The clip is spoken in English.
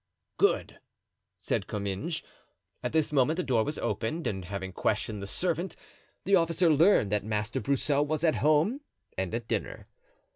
"Good," said Comminges. At this moment the door was opened, and having questioned the servant the officer learned that Master Broussel was at home and at dinner.